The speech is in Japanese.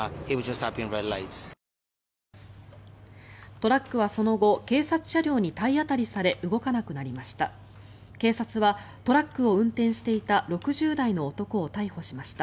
トラックはその後警察車両に体当たりされ動かなくなりました。